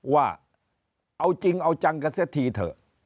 ว่าเอาจริงเอาจังกันเสียทีเถอะ